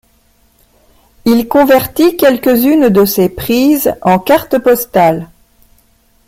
Il convertit quelques-unes de ses prises en cartes postales.